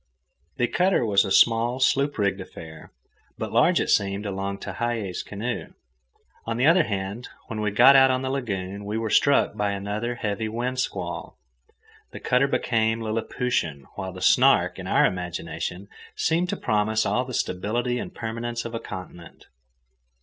The cutter was a small, sloop rigged affair, but large it seemed alongside Tehei's canoe. On the other hand, when we got out on the lagoon and were struck by another heavy wind squall, the cutter became liliputian, while the Snark, in our imagination, seemed to promise all the stability and permanence of a continent.